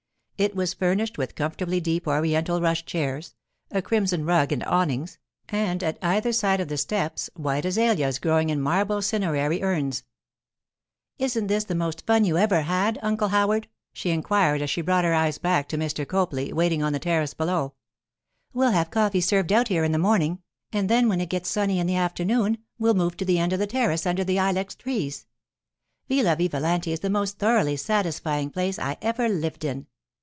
It was furnished with comfortably deep Oriental rush chairs, a crimson rug and awnings, and, at either side of the steps, white azaleas growing in marble cinerary urns. 'Isn't this the most fun you ever had, Uncle Howard?' she inquired as she brought her eyes back to Mr. Copley waiting on the terrace below. 'We'll have coffee served out here in the morning, and then when it gets sunny in the afternoon we'll move to the end of the terrace under the ilex trees. Villa Vivalanti is the most thoroughly satisfying place I ever lived in.